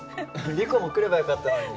リコも来ればよかったのに。